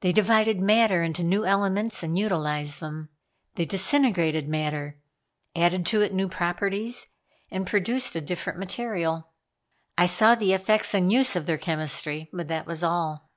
They divided matter into new elements and utilized them. They disintegrated matter, added to it new properties and produced a different material. I saw the effects and uses of their chemistry, but that was all.